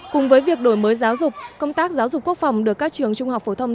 cùng với việc đổi mới giáo dục công tác giáo dục quốc phòng được các trường trung học phổ thông